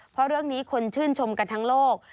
เพราะเรื่องนี้คนชื่นชมกันทั้งโลก